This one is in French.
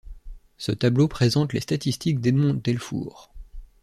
Ce tableau présente les statistiques d'Edmond Delfour.